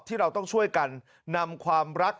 เราต้องช่วยกันนำความรัก